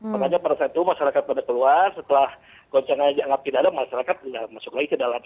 makanya pada saat itu masyarakat pada keluar setelah goncangannya dianggap tidak ada masyarakat sudah masuk lagi ke dalam